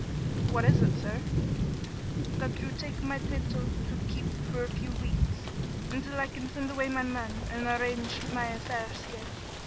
"What is it, sir?" "That you take my Tato to keep for a few weeks, until I can send away my men and arrange my affairs here.